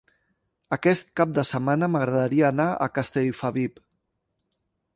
Aquest cap de setmana m'agradaria anar a Castellfabib.